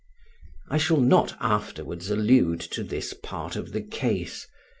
I shall not afterwards allude to this part of the case.